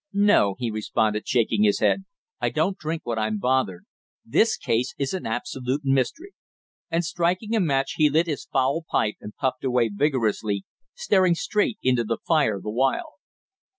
"No," he responded, shaking his head. "I don't drink when I'm bothered. This case is an absolute mystery." And striking a match he lit his foul pipe and puffed away vigorously, staring straight into the fire the while.